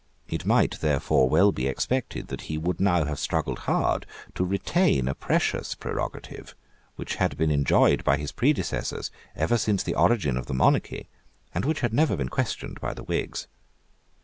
It might, therefore, well be expected that he would now have struggled hard to retain a precious prerogative which had been enjoyed by his predecessors ever since the origin of the monarchy, and which had never been questioned by the Whigs.